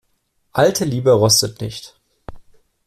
Alte Liebe rostet nicht.